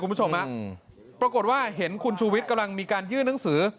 คุณผู้ชมฮะปรากฏว่าเห็นคุณชูวิทย์กำลังมีการยื่นหนังสือ